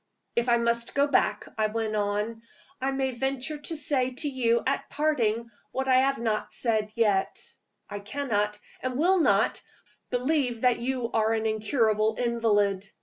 "If I must go back," I went on, "I may venture to say to you at parting what I have not said yet. I cannot, and will not, believe that you are an incurable invalid.